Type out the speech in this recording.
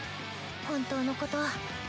本当のこと。